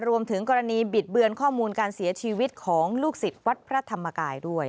รวมถึงกรณีบิดเบือนข้อมูลการเสียชีวิตของลูกศิษย์วัดพระธรรมกายด้วย